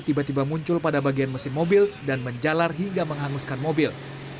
tiba tiba muncul pada bagian mesin mobil dan menjalar hingga menghanguskan mobil